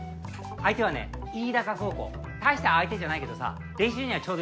相手はね飯高高校大した相手じゃないけどさ練習にはちょうどよくない？